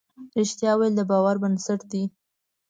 رښتیا ویل د باور بنسټ دی.